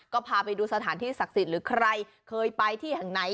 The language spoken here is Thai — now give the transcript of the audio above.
ก็พาไปดูสถานที่ศักดิ์สิทธิ์หรือใครเคยไปที่แห่งไหน